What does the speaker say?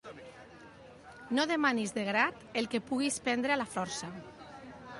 No demanis de grat el que puguis prendre a la força.